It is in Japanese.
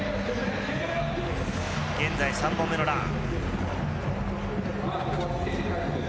現在３本目のラン。